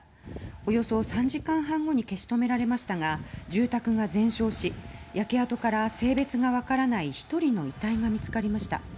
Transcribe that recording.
およそ３時間半後に消し止められましたが住宅が全焼し焼け跡から性別がわからない１人の遺体が見つかりました。